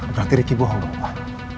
berarti riki bohong dong pak